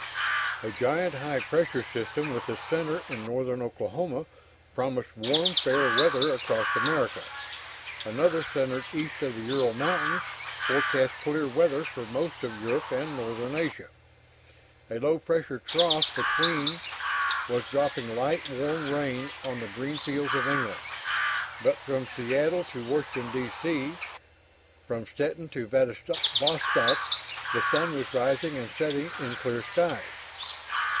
A giant high pressure system with its center in northern Oklahoma promised warm fair weather across America. Another, centered east of the Ural Mountains, forecast clear weather for most of Europe and northern Asia. A low pressure trough between was dropping light warm rain on the green fields of England, but from Seattle to Washington, D. C, from Stettin to Vladivostock the sun was rising or setting in clear skies.